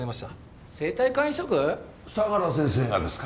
相良先生がですか？